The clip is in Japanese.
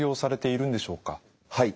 はい。